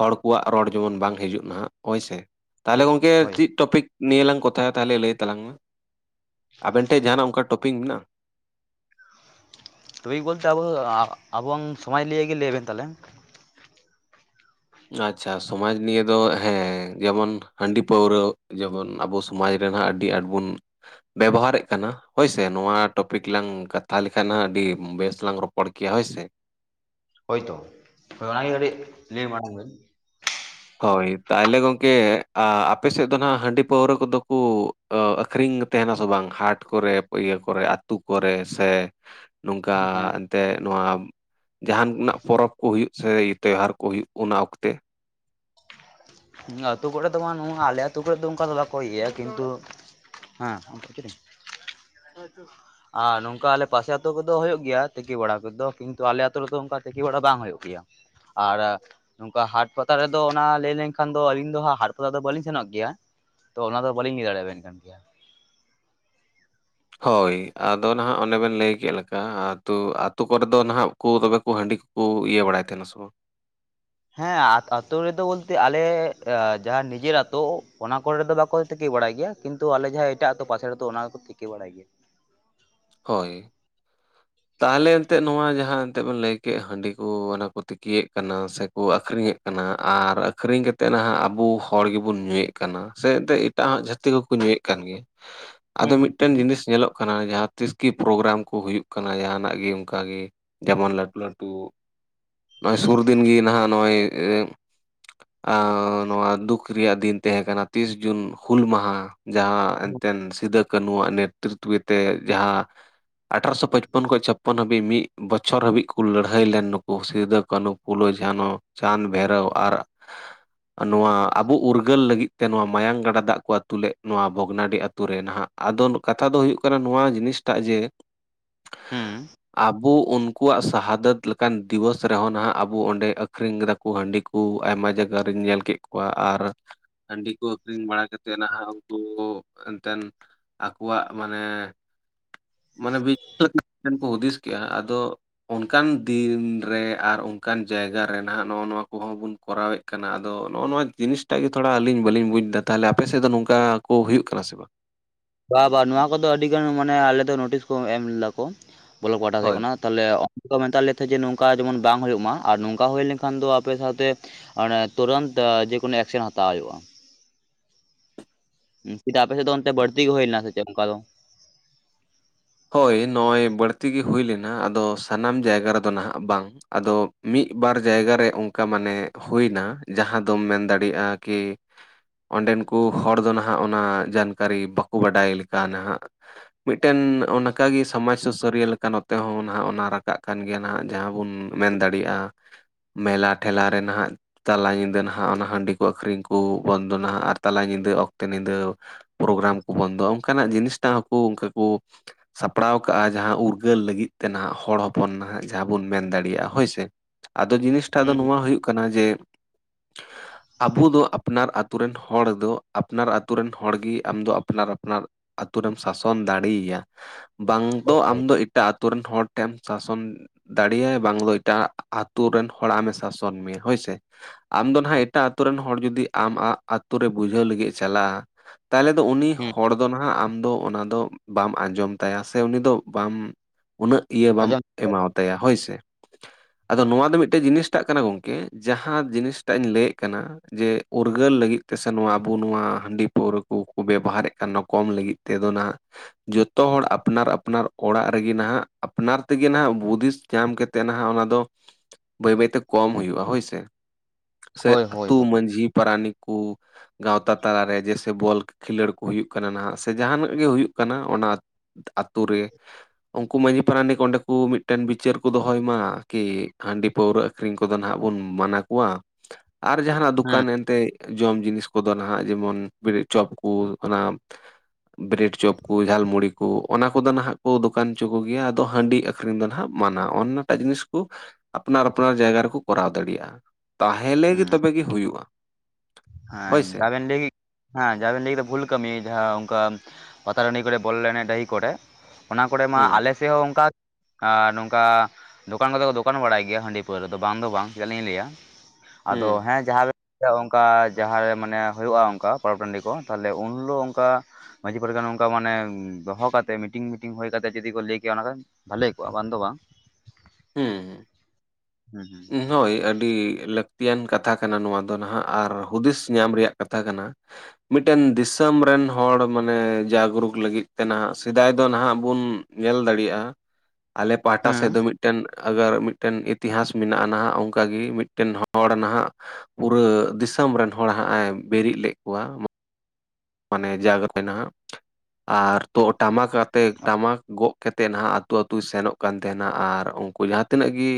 Speaker 2: ᱦᱚᱲ ᱠᱚᱣᱟᱜ ᱨᱚᱲ ᱡᱮᱢᱚᱱ ᱵᱟᱝ ᱦᱤᱡᱩᱜ ᱱᱟᱦᱟᱜ ᱦᱚᱳᱭᱥᱮ ᱛᱟᱞᱦᱮ ᱜᱚᱝᱠᱮ
Speaker 1: ᱦᱳᱭ
Speaker 2: ᱪᱤᱫ ᱴᱚᱯᱤᱠ ᱱᱤᱭᱟᱹ ᱞᱟᱝ ᱠᱚᱛᱷᱟᱭᱟ ᱛᱟᱦᱚᱞᱮ ᱞᱟᱹᱭ ᱛᱟᱞᱟᱝ ᱢᱮ ᱟᱵᱮᱱ ᱴᱷᱮᱱ ᱡᱟᱦᱱᱟᱜ ᱚᱝᱠᱟ ᱴᱚᱯᱤᱝ ᱢᱮᱱᱟᱜᱼᱟ
Speaker 1: ᱴᱚᱯᱤᱠ ᱵᱚᱞᱛᱮ ᱟᱵᱚ ᱟᱵᱚᱣᱟᱝ ᱥᱚᱢᱟᱡᱽ ᱞᱤᱭᱟᱹᱜᱮ ᱞᱟᱹᱭ ᱵᱮᱱ ᱛᱟᱞᱦᱮ
Speaker 2: ᱟᱪᱪᱷᱟ ᱥᱚᱢᱟᱡᱽ ᱱᱤᱭᱮ ᱫᱚ ᱦᱮᱸ ᱡᱮᱢᱚᱱ ᱦᱟᱹᱱᱰᱤ ᱯᱟᱹᱣᱨᱟᱹ ᱡᱮᱢᱚᱱ ᱟᱵᱚ ᱥᱚ ᱢᱟᱡᱽ ᱨᱮᱱᱦᱟᱜ ᱟᱹᱰᱤ ᱟᱸᱴ ᱵᱚᱱ ᱵᱮᱵᱚᱦᱟᱨᱮᱜ ᱠᱟᱱᱟ ᱦᱳᱭᱥᱮ ᱱᱚᱣᱟ ᱴᱚᱯᱤᱠ ᱞᱟᱝ ᱠᱟᱛᱷᱟ ᱞᱮᱠᱷᱟᱱ ᱟᱹᱰᱤ ᱵᱮᱥ ᱞᱟᱝ ᱨᱚᱯ ᱨᱚᱯᱚᱲ ᱠᱮᱭᱟ ᱦᱳᱭ ᱥᱮ
Speaker 1: ᱦᱳᱭᱛᱳ ᱦᱳᱭ ᱚᱱᱟᱜᱮ ᱠᱟᱹᱴᱤᱡ ᱞᱟᱹᱭ ᱢᱟᱲᱟᱝ ᱵᱮᱱ
Speaker 2: ᱦᱳᱭ ᱛᱟᱦᱞᱮ ᱜᱚᱝᱠᱮ ᱟ ᱟᱯᱮ ᱥᱮᱫ ᱫᱚ ᱱᱟᱜ ᱦᱟᱺᱰᱤ ᱯᱟᱹᱣᱨᱟᱹ ᱠᱚᱫᱚ ᱠᱚ ᱟ ᱟᱹᱠᱷᱨᱤᱧ ᱛᱟᱸᱦᱮᱱᱟ ᱥᱮ ᱵᱟᱝ ᱦᱟᱴ ᱠᱚᱨᱮ ᱤᱭᱟᱹ ᱠᱚᱨᱮ ᱟᱛᱳ ᱠᱚᱨᱮ ᱥᱮ ᱱᱚᱝᱠᱟ ᱛᱮ ᱱᱚᱣᱟ ᱡᱟᱦᱟᱱ ᱱᱟᱜ ᱯᱚᱨᱚᱵᱽ ᱠᱚ ᱦᱩᱭᱩᱜ ᱥᱮ ᱛᱣᱦᱟᱨ ᱠᱚ ᱦᱩᱭᱩᱜ ᱚᱱᱟ ᱚᱠᱛᱮ
Speaker 1: ᱟᱹᱛᱩ ᱠᱚᱨᱮ ᱫᱚ ᱵᱟ, ᱱᱚᱣᱟ ᱟᱞᱮ ᱟᱹᱛᱩ ᱠᱚᱨᱮ ᱫᱚ ᱚᱝᱠᱟ ᱫᱚ ᱵᱟᱠᱚ ᱤᱭᱟᱹᱼᱟ ᱠᱤᱱᱛᱩ ᱦᱮᱸ [unintelligible] ᱟᱨ ᱱᱚᱝᱠᱟ ᱟᱞᱮ ᱯᱟᱥᱮ ᱟᱛᱳ ᱠᱚᱫᱚ ᱦᱩᱭᱩᱜ ᱜᱮᱭᱟ ᱛᱤᱠᱤ ᱵᱟᱲᱟ ᱠᱚᱫᱚ ᱠᱤᱱᱛᱩ ᱟᱞᱮ ᱟᱛᱳ ᱨᱮᱫᱚ ᱚᱝᱠᱟ ᱛᱤᱠᱤ ᱵᱟᱲᱟ ᱵᱟᱝ ᱦᱩᱭᱩᱜ ᱜᱮᱭᱟ ᱟᱨ ᱱᱚᱝᱠᱟ ᱦᱟᱴ ᱯᱟᱛᱟ ᱨᱮᱫᱚ ᱚᱱᱟ ᱞᱟᱹᱭ ᱞᱮᱱᱠᱷᱟ ᱠᱷᱟᱱ ᱫᱚ ᱟᱹᱞᱤᱧ ᱫᱚ ᱦᱟᱜ ᱦᱟᱴ ᱯᱟᱛᱟ ᱫᱚ ᱵᱟᱹᱞᱤᱧ ᱥᱮᱱᱚᱜ ᱜᱮᱭᱟ ᱛᱚ ᱚᱱᱟᱫᱚ ᱵᱟᱹᱞᱤᱧ ᱞᱟᱹᱭ ᱫᱟᱲᱮᱭᱟᱵᱮᱱ ᱠᱟᱱ ᱜᱮᱭᱟ
Speaker 2: ᱦᱳᱭ ᱟᱫᱚ ᱱᱟᱦᱟᱜ ᱚᱱᱮ ᱵᱮᱱ ᱞᱟᱹᱭ ᱠᱮᱜ ᱞᱮᱠᱟ ᱟᱛᱳ ᱟᱛᱳ ᱠᱚᱨᱮ ᱫᱚ ᱱᱟᱦᱟᱜ ᱠᱚ ᱛᱚᱵᱮ ᱠᱚ ᱦᱟᱺᱰᱤ ᱠᱚᱠᱚ ᱤᱭᱟᱹ ᱵᱟᱲᱟᱭ ᱛᱟᱦᱮᱱᱟ ᱥᱮ ᱵᱟᱝ?
Speaker 1: ᱦᱮᱸ ᱟᱛᱳ ᱨᱮᱫᱚ ᱵᱚᱞᱛᱮ ᱟᱞᱮ ᱡᱟᱸᱦᱟ ᱱᱤᱡᱮᱨ ᱟᱛᱳ, ᱚᱱᱟ ᱠᱚᱨᱮ ᱫᱚ ᱵᱟᱠᱚ ᱛᱮᱠᱮ ᱵᱟᱲᱟᱭ ᱜᱮᱭᱟ ᱾ ᱠᱤᱱᱛᱩ ᱟᱞᱮ ᱡᱟᱦᱟᱸ ᱮᱴᱟᱜ ᱟᱛᱳ ᱯᱟᱥᱮᱨ ᱟᱛᱳ ᱚᱱᱟ ᱨᱮᱠᱚ ᱛᱤᱠᱤ ᱵᱟᱲᱟᱭ ᱜᱮᱭᱟ
Speaker 2: ᱦᱳᱭ ᱛᱟᱦᱚᱞᱮ ᱮᱱᱛᱮᱜ ᱱᱚᱣᱟ ᱡᱟᱦᱟᱸ ᱮᱱᱛᱮᱜ ᱵᱮᱱ ᱞᱟᱹᱭ ᱠᱮᱜ ᱦᱟᱺᱰᱤ ᱠᱚ ᱚᱱᱟ ᱠᱚ ᱛᱤᱠᱤᱭᱮᱜ ᱠᱟᱱᱟ ᱥᱮ ᱠᱚ ᱟᱹᱠᱷᱨᱤᱧᱮᱜ ᱠᱟᱱᱟ ᱟᱨ ᱟᱹᱠᱷᱨᱤᱧ ᱠᱟᱛᱮᱫ ᱱᱟᱦᱟᱜ ᱟᱵᱚ ᱦᱚᱲ ᱜᱮᱵᱚᱱ ᱧᱩᱭᱮᱜ ᱠᱟᱱᱟ ᱥᱮ ᱮᱱᱛᱮᱜ ᱮᱴᱟᱜ ᱦᱚᱸ ᱡᱷᱟᱹᱛᱤ ᱠᱚᱠᱚ ᱧᱩᱭᱮᱜ ᱠᱟᱱ ᱜᱮᱭᱟ
Speaker 1: [inaudible]
Speaker 2: ᱟᱫᱚ ᱢᱤᱫ ᱴᱮᱱ ᱡᱤᱱᱤᱥ ᱧᱮᱞᱚᱜ ᱠᱟᱱᱟ ᱡᱟᱦᱟᱸ ᱛᱤᱥ ᱠᱤ ᱯᱨᱳᱜᱽᱨᱟᱢ ᱠᱚ ᱦᱩᱭᱩᱜ ᱠᱟᱱᱟ ᱡᱟᱦᱟᱱᱟᱜ ᱜᱮ ᱚᱱᱠᱟ ᱜᱮ ᱡᱮᱢᱚᱱ ᱞᱟᱹᱴᱩ ᱞᱟᱹᱴᱩ ᱱᱚᱜᱼᱚᱭ ᱥᱩᱨ ᱫᱤᱱ ᱜᱮ ᱱᱟᱦᱟᱜ ᱱᱚᱜᱼᱚᱭ ᱱᱚᱣᱟ ᱫᱩᱠ ᱨᱮᱭᱟᱜ ᱫᱤᱱ ᱛᱮᱦᱮᱸ ᱠᱟᱱᱟ ᱛᱤᱨᱤᱥ ᱡᱩᱱ ᱦᱩᱞ ᱢᱟᱦᱟ, ᱡᱟᱦᱟᱸ ᱮᱱᱛᱮᱫ ᱥᱤᱫᱩ ᱠᱟᱱᱦᱩᱣᱟᱜ ᱱᱮᱛᱨᱤᱛᱚᱛᱮ ᱡᱟᱦᱟᱸ ᱟᱴᱨᱚᱥᱚ ᱯᱟᱸᱪᱯᱚᱱ, ᱯᱟᱪᱯᱚᱱ ᱠᱷᱚᱱ ᱪᱷᱟᱯᱟᱱ ᱦᱟᱹᱵᱤᱡ᱾ ᱢᱤᱫ ᱵᱚᱪᱷᱚᱨ ᱦᱟᱹᱵᱤᱡ ᱠᱚ ᱞᱟᱹᱲᱦᱟᱹᱭ ᱞᱮᱱ ᱱᱩᱠᱩ ᱥᱤᱫᱩᱼ ᱠᱟᱹᱱᱦᱩ, ᱯᱷᱩᱞᱳ ᱡᱷᱟᱱᱚ᱾ ᱪᱟᱸᱫᱽ ᱵᱷᱣᱨᱚᱵ ᱟᱨ,
Speaker 1: [inaudible]
Speaker 2: ᱱᱚᱣᱟ ᱟᱵᱚ ᱩᱨᱜᱟᱹᱞ ᱞᱟᱹᱜᱤᱫ, ᱛᱮ ᱱᱚᱣᱟ ᱢᱟᱭᱟᱝ ᱜᱟᱰᱟ ᱫᱟᱜ ᱠᱚ ᱟᱹᱛᱩ ᱞᱮᱫ, ᱱᱚᱣᱟ ᱵᱷᱜᱽᱱᱟᱰᱤ ᱟᱛᱳ ᱨᱮ ᱱᱟᱦᱟᱜ ᱟᱫᱚ ᱠᱟᱛᱷᱟ ᱫᱚ ᱦᱩᱭᱩᱜ ᱠᱟᱱᱟ ᱱᱚᱣᱟ ᱡᱤᱱᱤᱥ, ᱮᱴᱟᱜ ᱡᱮ
Speaker 1: ᱦᱮᱸ
Speaker 2: ᱟᱵᱚ ᱩᱱᱠᱩᱣᱟᱜ ᱥᱟᱦᱟᱫᱚᱛ ᱞᱮᱠᱟᱱ ᱫᱤᱣᱚᱥ ᱨᱮᱦᱚᱸ ᱱᱟᱦᱟᱜ ᱟᱵᱚ ᱚᱸᱰᱮ ᱟᱹᱠᱷᱨᱤᱧ ᱮᱫᱟ ᱾ ᱠᱩ ᱦᱟᱺᱰᱤ ᱠᱚ ᱟᱭᱢᱟ ᱡᱟᱭᱜᱟ ᱨᱤᱧ ᱧᱮᱞ ᱠᱮᱫ ᱠᱚᱣᱟ ᱟᱨ, ᱦᱟᱺᱰᱤ ᱠᱚ ᱟᱹᱠᱷᱨᱤᱧ ᱵᱟᱲᱟ ᱠᱟᱛᱮᱫ ᱱᱟᱦᱟᱜ ᱩᱱᱠᱩ ᱮᱱᱛᱮᱱ, ᱟᱠᱚᱣᱟᱜ ᱢᱟᱱᱮ ᱢᱟᱱᱮ ᱢᱤᱫᱴᱟᱝ ᱢᱤᱫᱴᱟᱝ ᱠᱚ ᱦᱩᱫᱤᱥ ᱠᱮᱜᱼᱟ ᱟᱫᱚ, ᱚᱱᱠᱟᱱ ᱫᱤᱱ ᱨᱮ ᱟᱨ ᱚᱱᱠᱟᱱ ᱡᱟᱭᱜᱟ ᱨᱮ ᱱᱟᱦᱟᱜ ᱱᱚᱣᱟ ᱱᱚᱣᱟ ᱠᱚᱦᱚᱸ ᱵᱚᱱ ᱠᱚᱨᱟᱣᱮᱫ ᱾ ᱠᱟᱱᱟ ᱟᱫᱚ ᱱᱚᱣᱟ ᱱᱚᱣᱟ ᱡᱤᱱᱤᱥ ᱴᱟᱜ ᱜᱮ ᱛᱷᱚᱲᱟ ᱟᱹᱞᱤᱧ ᱵᱟᱹᱞᱤᱧ ᱵᱩᱡᱽ ᱮᱫᱟ᱾ ᱛᱟᱦᱚᱞᱮ ᱟᱯᱮ ᱥᱮᱫ ᱫᱚ ᱱᱚᱝᱠᱟ ᱠᱚ ᱦᱩᱭᱩᱜ ᱠᱟᱱᱟ ᱥᱮ ᱵᱟᱝ?
Speaker 1: ᱵᱟᱝ ᱵᱟᱝ ᱱᱚᱣᱟ ᱠᱚᱫᱚ ᱟᱹᱰᱤ ᱜᱟᱱ ᱢᱟᱱᱮ ᱟᱞᱮ ᱫᱚ ᱱᱳᱴᱤᱥ ᱠᱚ ᱮᱢ ᱞᱮᱫᱟ ᱠᱚ ᱵᱚᱞᱚᱠ ᱯᱟᱦᱟᱴᱟ ᱥᱮᱫ
Speaker 2: ᱦᱳᱭ᱾
Speaker 1: ᱠᱷᱚᱱᱟᱜ ᱾ ᱛᱟᱦᱞᱮ ᱚᱱᱠᱟ ᱢᱮᱛᱟ ᱞᱮ ᱛᱟᱦᱮᱸᱫ ᱡᱮ ᱱᱚᱝᱠᱟ ᱡᱮᱢᱚᱱ ᱵᱟᱝ ᱦᱳᱭᱳᱜ ᱢᱟ ᱾ ᱟᱨ ᱱᱚᱝᱠᱟ ᱦᱩᱭ ᱞᱮᱱᱠᱷᱟᱱ ᱫᱚ ᱟᱯᱮ ᱥᱟᱶᱛᱮ, ᱛᱩᱨᱟᱹᱛ ᱡᱮᱠᱳᱱᱳ ᱮᱠᱥᱮᱱ ᱦᱟᱛᱟᱣ ᱦᱩᱭᱩᱜᱼᱟ ᱾ ᱪᱮᱫᱟᱜ ᱟᱯᱮ ᱥᱮᱫ ᱫᱚ ᱚᱱᱛᱮ ᱵᱟᱹᱲᱛᱤ ᱜᱮ ᱦᱩᱭ ᱞᱮᱱᱟ ᱚᱱᱠᱟ ᱫᱚ?
Speaker 2: ᱦᱳᱭ ᱱᱚᱜᱼᱚᱭ ᱵᱟᱹᱲᱛᱤ ᱜᱮ ᱦᱩᱭ ᱞᱮᱱᱟ ᱟᱫᱚ ᱥᱟᱱᱟᱢ ᱡᱟᱭᱜᱟ ᱨᱮᱫᱚ ᱱᱟᱦᱟᱜ ᱵᱟᱝ ᱾ ᱟᱫᱚ ᱢᱤᱫᱵᱟᱨ ᱡᱟᱭᱜᱟ ᱨᱮ ᱚᱱᱠᱟ ᱢᱟᱱᱮ ᱦᱩᱭᱮᱱᱟ ᱡᱟᱦᱟᱸ ᱫᱚᱢ ᱢᱮᱱ ᱫᱟᱲᱮᱭᱟᱜᱼᱟ ᱠᱤ, ᱚᱸᱰᱮᱱ ᱠᱚ ᱦᱚᱲ ᱫᱚ ᱱᱟᱦᱟᱸᱜ ᱚᱱᱟ ᱡᱟᱱᱠᱟᱨᱤ ᱵᱟᱠᱚ ᱵᱟᱰᱟᱭ ᱞᱮᱠᱟ ᱱᱟᱦᱟᱸᱜ, ᱢᱤᱫᱴᱮᱱ ᱚᱱᱠᱟ ᱜᱮ ᱥᱚᱢᱟᱡᱽ ᱥᱩᱥᱟᱹᱨᱤᱭᱟᱹ ᱞᱮᱠᱟ ᱱᱚᱛᱮ ᱦᱚᱸ ᱱᱟᱦᱟᱜ ᱚᱱᱟ ᱨᱟᱠᱟᱵ ᱠᱟᱱ ᱜᱮᱭᱟ ᱾ ᱱᱟᱦᱟᱜ ᱡᱟᱸᱦᱟᱸ ᱵᱚᱱ ᱢᱮᱱ ᱫᱟᱲᱮᱭᱟᱜᱼᱟ, ᱢᱮᱞᱟ ᱴᱷᱮᱞᱟ ᱨᱮ ᱱᱟᱦᱟᱜ ᱛᱟᱞᱟ ᱧᱤᱫᱟᱹ ᱱᱟᱦᱟᱜ ᱚᱱᱟ ᱦᱟᱺᱰᱤ ᱠᱚ ᱟᱹᱠᱷᱨᱤᱧ ᱠᱚ ᱵᱚᱱᱫᱚ ᱱᱟᱦᱟᱜ ᱟᱨ ᱛᱟᱞᱟ ᱧᱤᱫᱟᱹ ᱚᱠᱛᱮ ᱧᱤᱫᱟᱹ ᱯᱨᱳᱜᱨᱟᱢ ᱠᱚ ᱵᱚᱱᱫᱚ ᱚᱱᱠᱟᱱᱟᱜ ᱡᱤᱱᱤᱥᱴᱟ ᱦᱚᱸᱠᱚ ᱚᱱᱠᱟ ᱠᱚ
Speaker 1: [inaudible]
Speaker 2: ᱥᱟᱯᱲᱟᱣ ᱠᱟᱜᱼᱟ ᱡᱟᱸᱦᱟᱸ ᱩᱨᱜᱟᱹᱞ ᱞᱟᱹᱜᱤᱫ ᱛᱮ, ᱱᱟᱦᱟᱜ ᱦᱚᱲ ᱦᱚᱯᱚᱱ ᱱᱟᱦᱟᱜ ᱡᱟᱦᱟᱸ ᱵᱚᱱ ᱢᱮᱱ ᱫᱟᱲᱮᱭᱟᱜᱼᱟ ᱦᱳᱭ ᱥᱮ ᱾ ᱟᱫᱚ ᱡᱤᱱᱤᱥᱴᱟᱜ ᱫᱚ
Speaker 1: ᱦᱩᱸ
Speaker 2: ᱱᱚᱣᱟ ᱦᱩᱭᱩᱜ ᱠᱟᱱᱟ ᱡᱮ,
Speaker 1: [inaudible]
Speaker 2: ᱟᱵᱚ ᱫᱚ ᱟᱯᱱᱟᱨ ᱟ. ᱛᱳ ᱨᱮᱱ ᱦᱚᱲ ᱫᱚ ᱟᱯᱱᱟᱨ ᱟ. ᱛᱳ ᱨᱮᱱ ᱦᱚᱲᱜᱮ ᱟᱢᱫᱚ ᱟᱯᱱᱟᱨ ᱟᱯᱱᱟᱨ, ᱟᱛᱳ ᱨᱮᱢ ᱥᱟᱥᱚᱱ ᱫᱟᱲᱮᱭ ᱟᱭᱟ ᱾ ᱵᱟᱝ ᱫᱚ
Speaker 1: ᱦᱳᱭ
Speaker 2: ᱟᱢᱫᱚ ᱮᱴᱟᱜ ᱟᱛᱳ ᱨᱮᱱ ᱦᱚᱲ ᱴᱷᱮ ᱮᱢ ᱥᱟᱥᱚᱱ ᱫᱟᱲᱮᱭᱟᱭ ᱵᱟᱝ ᱫᱚ ᱮᱴᱟᱜ ᱟᱛᱳ ᱨᱮᱱ ᱦᱚᱲᱟᱜ ᱟᱢᱮ ᱥᱟᱥᱚᱱ ᱢᱮ ᱦᱳᱭᱥᱮ ᱟᱢ ᱫᱚ ᱱᱟᱦᱟᱜ ᱮᱴᱟᱜ ᱟ. ᱛᱳ ᱨᱮᱱ ᱦᱚᱲ, ᱡᱩᱫᱤ ᱟᱢᱟᱜ ᱟ. ᱛᱳ ᱨᱮ ᱵᱩᱡᱷᱟᱹᱣ ᱞᱟᱹᱜᱤᱫ ᱮ ᱪᱟᱞᱟᱜᱼᱟ ᱛᱟᱦᱚᱞᱮ ᱫᱚ ᱩᱱᱤ
Speaker 1: ᱦᱩᱸ
Speaker 2: ᱦᱚᱲ ᱫᱚ ᱱᱟᱦᱟᱜ ᱟᱢ ᱫᱚ ᱚᱱᱟ ᱫᱚ ᱵᱟᱢ ᱟᱸᱡᱚᱢ ᱛᱟᱭᱟ ᱥᱮ ᱩᱱᱤ ᱫᱚ ᱵᱟᱢ ᱩᱱᱟᱹᱜ ᱤᱭᱟᱹ ᱵᱟᱢ
Speaker 1: ᱟᱸᱡᱚᱢ
Speaker 2: ᱮᱢᱟ ᱛᱟᱭᱟ ᱦᱳᱭᱥᱮ ᱟᱫᱚ ᱱᱚᱣᱟ ᱫᱚ ᱢᱤᱫᱴᱮᱱ ᱡᱤᱱᱤᱥᱴᱟᱜ ᱠᱟᱱᱟ ᱜᱚᱝᱠᱮ ᱡᱟᱦᱟᱸ ᱡᱤᱱᱤᱥᱴᱟᱜ ᱤᱧ ᱞᱟᱹᱭᱮᱫ ᱠᱟᱱᱟ ᱾ ᱡᱮ ᱩᱨᱜᱟᱹᱞ ᱞᱟᱹᱜᱤᱫ ᱛᱮᱥᱮ ᱱᱚᱣᱟ ᱟᱵᱚ ᱱᱚᱣᱟ ᱦᱟᱺᱰᱤ ᱯᱟᱹᱣᱨᱟᱹ ᱠᱚᱠᱚ ᱵᱮᱵᱚᱦᱟᱨᱮᱫ ᱠᱟᱱ ᱱᱚᱶᱟ ᱠᱚᱢ ᱞᱟᱹᱜᱤᱫ ᱛᱮᱫᱚ ᱱᱟᱦᱟᱜ ᱡᱚᱛᱚ ᱦᱚᱲ ᱟᱯᱱᱟᱨ ᱟᱯᱱᱟᱨ ᱚᱲᱟᱜ ᱨᱮᱜᱮ ᱱᱟᱦᱟᱜ ᱟᱯᱱᱟᱨ ᱛᱮᱜᱮ ᱱᱟᱦᱟᱜ ᱦᱩᱫᱤᱥ, ᱧᱟᱢ ᱠᱟᱛᱮ ᱱᱟᱦᱟᱜ ᱚᱱᱟ ᱫᱚ, ᱵᱟᱹᱭ ᱵᱟᱹᱭᱛᱮ ᱠᱚᱢ ᱦᱩᱭᱩᱜᱼᱟ ᱦᱳᱭ ᱥᱮ, ᱥᱮ
Speaker 1: ᱦᱳᱭ ᱦᱳᱭ
Speaker 2: ᱟᱛᱩ
Speaker 1: ᱦᱳᱭ
Speaker 2: ᱢᱟᱺᱡᱷᱤ ᱯᱟᱱᱤᱠ ᱠᱚ ᱜᱟᱶᱛᱟ ᱛᱟᱞᱟᱨᱮ ᱡᱮᱭᱥᱮ ᱵᱚᱞ ᱠᱷᱮᱞᱳᱰ ᱠᱚ ᱦᱩᱭᱩᱜ ᱠᱟᱱᱟ ᱾ ᱱᱟᱦᱟᱜ ᱥᱮ ᱡᱟᱦᱟᱱᱟᱜ ᱜᱮ ᱦᱩᱭᱩᱜ ᱠᱟᱱᱟ᱾ ᱚᱱᱟ ᱟᱛᱳ ᱨᱮ ᱩᱱᱠᱩ ᱢᱟᱺᱡᱷᱤ ᱯᱟᱨᱟᱱᱤᱠ ᱚᱸᱰᱮ ᱠᱚ ᱢᱤᱫᱴᱮᱱ ᱵᱤᱪᱟᱹᱨ ᱠᱚ ᱫᱚᱦᱚᱭ ᱢᱟ ᱠᱤ ᱦᱟᱺᱰᱤ ᱯᱟᱹᱣᱨᱟᱹ, ᱟᱹᱠᱷᱨᱤᱧ ᱠᱚᱫᱚ ᱱᱟᱦᱟᱜ ᱵᱚᱱ ᱢᱟᱱᱟ ᱠᱚᱣᱟ ᱾
Speaker 1: [inaudible]
Speaker 2: ᱟᱨ ᱡᱟᱦᱟᱸᱱᱟᱜ
Speaker 1: ᱦᱩᱸ
Speaker 2: ᱫᱚᱠᱟᱱ ᱮᱱ, ᱛᱮ ᱡᱚᱢ ᱡᱤᱱᱤᱥ ᱠᱚᱫᱚ ᱱᱟᱦᱟᱜ ᱡᱮᱢᱚᱱ ᱵᱨᱮᱹᱰ ᱪᱚᱯ ᱠᱚ ᱚᱱᱟ ᱵᱨᱮᱹᱰ ᱪᱚᱯ ᱠᱚ ᱡᱷᱟᱞ ᱢᱩᱲᱤ ᱠᱚ ᱚᱱᱟ ᱠᱚᱫᱚ ᱱᱟᱦᱟᱜ ᱠᱚ ᱫᱚᱠᱟᱱᱪᱚ ᱠᱚᱜᱮᱭᱟ ᱟᱫᱚ ᱦᱟᱺᱰᱤ ᱟᱹᱠᱷᱨᱤᱧ ᱫᱚ ᱱᱟᱦᱟᱜ ᱢᱟᱱᱟ ᱚᱱᱱᱟ ᱮᱴᱟᱜ ᱡᱤᱱᱤᱥ ᱠᱚ ᱟᱯᱱᱟᱨ ᱟᱯᱱᱟᱨ ᱡᱟᱭᱜᱟ ᱨᱮᱠᱚ ᱠᱚᱨᱟᱣ ᱫᱟᱲᱮᱭᱟᱜᱼᱟ ᱛᱟᱦᱞᱮ ᱜᱮ
Speaker 1: ᱦᱩᱸ
Speaker 2: ᱛᱚᱵᱮᱜᱮ ᱦᱩᱭᱩᱜᱼᱟ ᱦᱳᱭ
Speaker 1: ᱦᱮᱸ
Speaker 2: ᱥᱮ
Speaker 1: ᱡᱟᱵᱮᱱ ᱞᱟᱹᱭ ᱦᱮᱸ ᱡᱟᱦᱟᱸ ᱵᱮᱱ ᱞᱟᱹᱭ ᱠᱮᱫᱟ ᱵᱷᱩᱞ ᱠᱟᱹᱢᱤ ᱡᱟᱦᱟᱸ ᱚᱝᱠᱟ ᱯᱟᱛᱟ ᱴᱟᱺᱰᱤ ᱠᱚᱨᱮ ᱵᱚᱞ ᱮᱱᱮᱡ ᱰᱟᱹᱦᱤ ᱠᱚᱨᱮ ᱚᱱᱟ ᱠᱚᱨᱮ ᱢᱟ
Speaker 2: ᱦᱩᱸ
Speaker 1: ᱟᱞᱮ ᱥᱮᱫ ᱦᱚᱸ ᱚᱝᱠᱟ ᱟᱨ ᱱᱚᱝᱠᱟ ᱫᱚᱠᱟᱱ ᱠᱚᱫᱚ ᱠᱚ ᱫᱚᱠᱟᱱ ᱵᱟᱲᱟᱭ ᱜᱮᱭᱟ ᱦᱟᱺᱰᱤ ᱯᱟᱹᱣᱨᱟᱹ ᱫᱚ ᱵᱟᱝ ᱫᱚ ᱵᱟᱝ ᱪᱮᱫ ᱞᱤᱧ ᱞᱟᱹᱭᱟ ᱟᱫᱚ,
Speaker 2: ᱦᱩᱸ
Speaker 1: ᱦᱮᱸ ᱡᱟᱦᱟᱸ ᱞᱮᱠᱟ ᱚᱝᱠᱟ ᱡᱟᱦᱟᱸ ᱨᱮ ᱢᱟᱱᱮ ᱦᱩᱭᱩᱜᱼᱟ ᱚᱝᱠᱟ ᱯᱚᱨᱚᱵᱽ ᱴᱟᱺᱰᱤ ᱠᱚ ᱛᱟᱦᱞᱮ ᱩᱱ ᱦᱤᱞᱳᱜ ᱚᱝᱠᱟ ᱢᱟᱺᱡᱷᱤ ᱯᱟᱨᱜᱟᱱᱟ ᱚᱝᱠᱟ ᱢᱟᱱᱮ ᱫᱚᱦᱚ ᱠᱟᱛᱮᱫ ᱢᱤᱴᱤᱝ ᱢᱤᱴᱤᱝ ᱦᱩᱭ ᱠᱟᱛᱮᱫ ᱡᱩᱫᱤ ᱠᱚ ᱞᱟᱹᱭ ᱠᱮᱭᱟ ᱚᱱᱟ ᱠᱷᱟᱱ ᱵᱷᱟᱞᱮ ᱠᱚᱜᱼᱟ ᱵᱟᱝ ᱫᱚ ᱵᱟᱝ
Speaker 2: ᱦᱩᱸ
Speaker 1: ᱦᱩᱸ
Speaker 2: ᱦᱳᱭ ᱟᱹᱰᱤ ᱞᱟᱹᱠᱛᱤᱭᱟᱱ ᱠᱟᱛᱷᱟ ᱠᱟᱱᱟ ᱱᱚᱶᱟ ᱫᱚ ᱱᱟᱦᱟᱜ ᱟᱨ ᱦᱩᱫᱤᱥ ᱧᱟᱢ ᱨᱮᱭᱟᱜ ᱠᱟᱛᱷᱟ ᱠᱟᱱᱟ ᱢᱤᱫ ᱴᱮᱱ ᱫᱤᱥᱚᱢ ᱨᱮᱱ ᱦᱚᱲ ᱢᱟᱱᱮ ᱡᱟᱜᱽᱨᱩᱠ ᱞᱟᱹᱜᱤᱫ ᱛᱮ ᱱᱟᱦᱟᱜ ᱥᱮᱫᱟᱭ ᱫᱚ ᱱᱟᱦᱟᱜ ᱵᱚᱱ ᱧᱮᱞ ᱫᱟᱲᱮᱭᱟᱜᱼᱟ
Speaker 1: [inaudible]
Speaker 2: ᱟᱞᱮ ᱯᱟᱦᱴᱟ ᱥᱮᱫ
Speaker 1: ᱦᱩᱸ
Speaker 2: ᱫᱚ ᱢᱤᱫ ᱴᱮᱱ ᱟᱜᱟᱨ ᱢᱤᱫ ᱴᱮᱱ ᱤᱛᱤᱦᱟᱥ ᱢᱮᱱᱟᱜᱼᱟ ᱱᱟᱦᱟᱜ ᱚᱝᱠᱟᱜᱤ ᱢᱤᱫ ᱴᱮᱱ ᱦᱚᱲ ᱱᱟᱦᱟᱜ ᱯᱩᱨᱟᱹ ᱫᱤᱥᱚᱢ ᱨᱮᱱ ᱦᱚᱲ ᱦᱟᱸᱜᱼ ᱮ ᱵᱮᱨᱮᱫ ᱞᱮᱫ ᱠᱚᱣᱟ ᱢᱟᱱᱮ ᱡᱟᱜᱟᱯᱮ ᱱᱟᱜ ᱟᱨ ᱛᱚ ᱴᱟᱢᱟᱠ ᱟᱛᱮ ᱴᱟᱢᱟᱠ ᱜᱚᱜ ᱠᱟᱛᱮᱫ ᱱᱟᱦᱟᱜ ᱟᱛᱳ ᱟᱛᱳᱭ ᱥᱮᱱᱚᱜ ᱠᱟᱱ ᱛᱟᱦᱮᱱᱟ ᱟᱨ ᱩᱱᱠᱩ ᱡᱟᱦᱟᱸ ᱛᱤᱱᱟᱹᱜ ᱜᱮ